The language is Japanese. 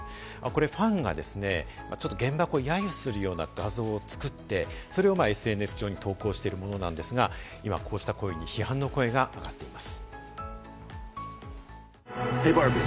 ファンがですね、原爆をやゆするような画像を作って、それをＳＮＳ上に投稿しているものなんですが、今、こうしたように批判の声があがっています。